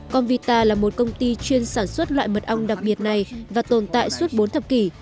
convita là một công ty chuyên sản xuất loại mật ong đặc biệt này và tồn tại suốt bốn thập kỷ